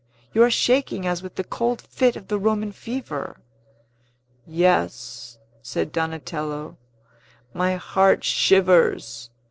You are shaking as with the cold fit of the Roman fever." "Yes," said Donatello; "my heart shivers."